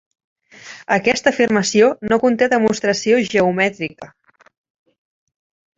Aquesta afirmació no conté demostració geomètrica.